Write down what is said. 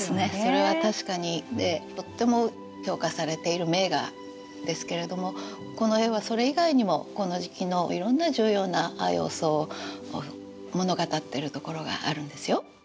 それは確かにでとっても評価されている名画ですけれどもこの絵はそれ以外にもこの時期のいろんな重要な要素を物語ってるところがあるんですよ。